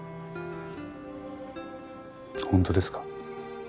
本当ですか？